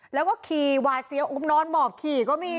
แล้วก็ขี่หวาดเสียวนอนหมอบขี่ก็มี